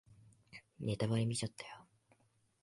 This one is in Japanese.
ネタバレ見ちゃったよ